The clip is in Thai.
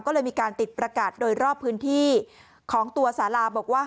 ก็เลยมีการติดประกาศโดยรอบพื้นที่ของตัวสาราบอกว่า